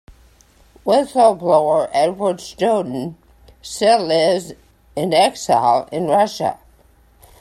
Whistle-blower Edward Snowden still lives in exile in Russia.